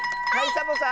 サボさん。